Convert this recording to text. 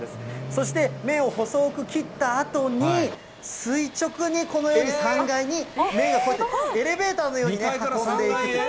そして麺を細く切ったあとに、垂直にこのように３階に麺がこうやってエレベーターのように運んでいく。